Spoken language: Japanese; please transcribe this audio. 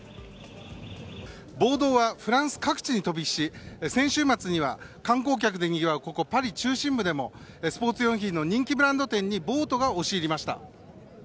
暴動はフランス各地に飛び火し先週末には観光客でにぎわうパリ中心部でもスポーツ用品の人気ブランド店に暴徒が押し入りました。